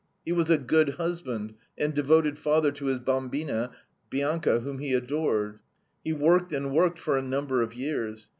He was a good husband and devoted father to his BAMBINA, Bianca, whom he adored. He worked and worked for a number of years.